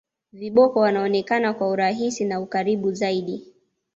viboko wanaonekana kwa urahisi na ukaribu zaidi